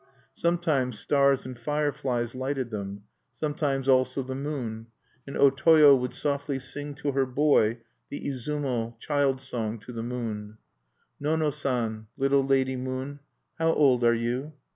Sometimes stars and fireflies lighted them; sometimes also the moon, and O Toyo would softly sing to her boy the Izumo child song to the moon: Nono San, Little Lady Moon, How old are you?